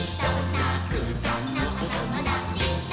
「たくさんのおともだちと」